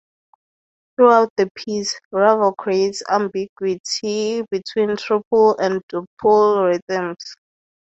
Throughout the piece, Ravel creates ambiguity between triple and duple rhythms.